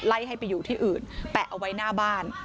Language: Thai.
ให้ไปอยู่ที่อื่นแปะเอาไว้หน้าบ้าน